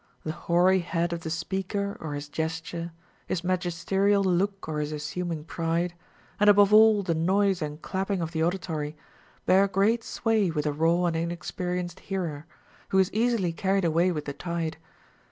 The hoary head of the speaker or his gesture, his magisterial look or his assuming pride, and above all the noise and clapping of the auditory, bear great sway with a raw and inexperienced hearer, who is easily carried away Avith the tide.